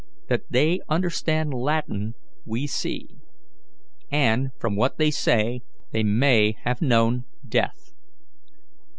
That they understand Latin, we see; and, from what they say, they may have known death.